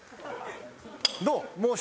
どう？